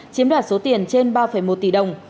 chiếm đoạt số tiền trên ba một tỷ đồng